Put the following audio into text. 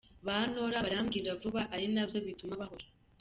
Ba Nora barambirwa vuba, ari nabyo bituma bahora